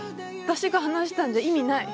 私が話したんじゃ、意味ない。